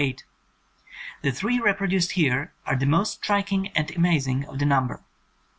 The three reproduced here are the most striking and amazing of the num ber.